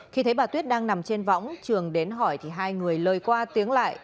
khi thấy bà tuyết đang nằm trên võng trường đến hỏi thì hai người lời qua tiếng lại